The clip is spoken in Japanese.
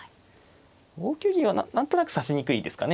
５九金は何となく指しにくいですかね。